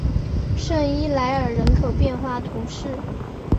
圣伊莱尔人口变化图示